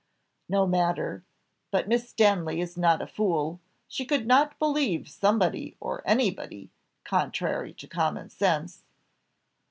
"No matter; but Miss Stanley is not a fool; she could not believe somebody or anybody, contrary to common sense."